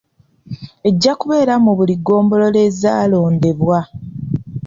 Ejja kubeera mu buli ggombolola ezaalondebwa.